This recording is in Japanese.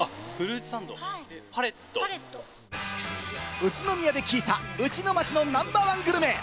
宇都宮で聞いた、うちの街のナンバーワングルメ。